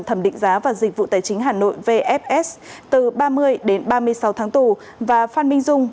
thẩm định giá và dịch vụ tài chính hà nội vfs từ ba mươi đến ba mươi sáu tháng tù và phan minh dung